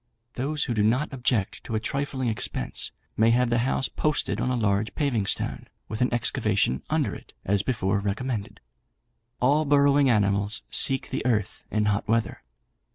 Those who do not object to a trifling expense, may have the house posted on a large paving stone, with an excavation under it, as before recommended. All burrowing animals seek the earth in hot weather.